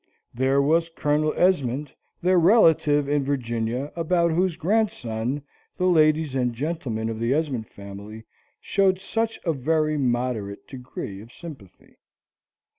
There was Colonel Esmond, their relative in Virginia, about whose grandson the ladies and gentlemen of the Esmond family showed such a very moderate degree of sympathy.